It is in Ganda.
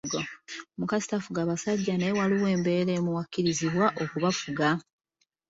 Omukazi tafuga basajja naye waliwo embeera emu w’akkiririzibwa okubafuga.